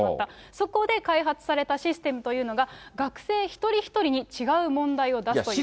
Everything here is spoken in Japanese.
そこで開発されたシステムというのが、学生一人一人に違う問題を出すという。